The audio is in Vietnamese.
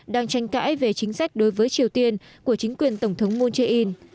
đang tranh cãi về chính sách đối với triều tiên của chính quyền tổng thống moon jae in